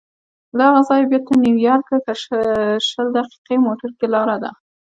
له هغه ځایه بیا تر نیویارکه شل دقیقې موټر کې لاره ده.